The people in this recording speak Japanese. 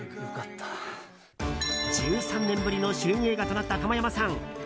１３年ぶりの主演映画となった玉山さん。